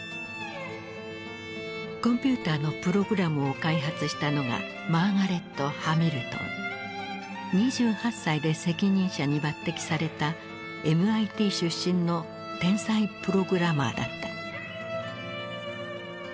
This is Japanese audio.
コンピューターのプログラムを開発したのが２８歳で責任者に抜擢されたＭＩＴ出身の天才プログラマーだった。